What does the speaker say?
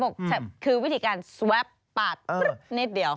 เขาบอกคือวิธีการสวับปาดนิดเดียว